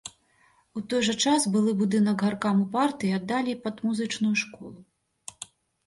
У той жа час былы будынак гаркаму партыі аддалі пад музычную школу.